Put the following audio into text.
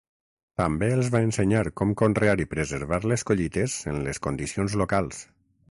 També els van ensenyar com conrear i preservar les collites en les condicions locals.